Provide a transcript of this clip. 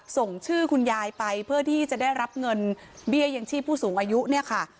ส่งชื่อคุณยายไปเพื่อที่จะได้รับเงินเบี้ยยังชีพผู้สูงอายุเนี่ยค่ะ